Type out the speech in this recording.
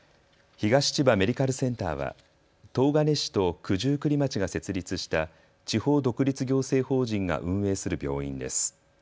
東千葉メディカルセンターは東金市と九十九里町が設立した地方独立行政法人が運営する病院です。